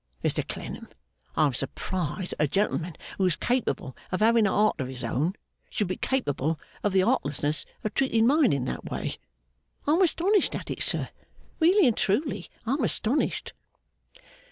Mr Clennam, I am surprised that a gentleman who is capable of having a heart of his own, should be capable of the heartlessness of treating mine in that way. I am astonished at it, sir. Really and truly I am astonished!